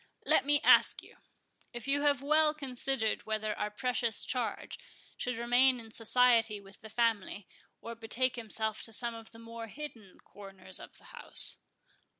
Let me ask you, if you have well considered whether our precious charge should remain in society with the family, or betake himself to some of the more hidden corners of the house?"